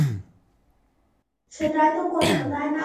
সেটাইতো প্রশ্ন, তাই না?